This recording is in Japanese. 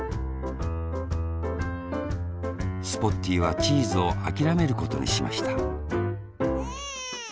スポッティーはチーズをあきらめることにしましたエンエン。